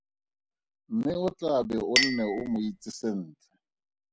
Mme o tla be o nne o mo itse sentle.